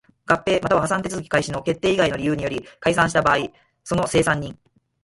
合併又は破産手続開始の決定以外の理由により解散した場合その清算人